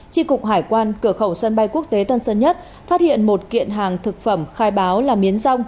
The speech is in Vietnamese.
tri cục hải quan cửa khẩu sân bay quốc tế tân sơn nhất phát hiện một kiện hàng thực phẩm khai báo là miến rong